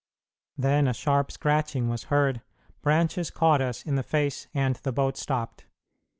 Then a sharp scratching was heard, branches caught us in the face, and the boat stopped.